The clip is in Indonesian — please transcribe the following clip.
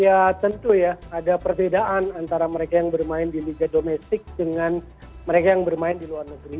ya tentu ya ada perbedaan antara mereka yang bermain di liga domestik dengan mereka yang bermain di luar negeri